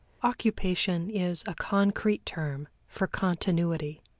Occupation is a concrete term for continuity.